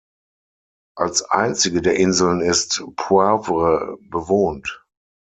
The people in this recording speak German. Als einzige der Inseln ist "Poivre" bewohnt.